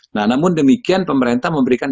namun demikian pemerintah memberikan